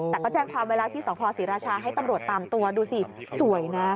แต่ก็แจ้งพาเวลาที่สองพศรีรชาให้ตำรวจตามตัวดูสิสวยนะ